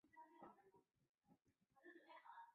雷劈石山摩崖的历史年代为明代。